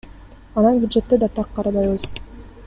Анан бюджетте да так карабайбыз.